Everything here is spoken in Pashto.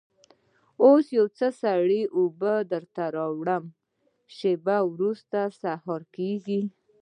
اوس یو څه سړې اوبه در وړم، شېبه وروسته سهار کېږي.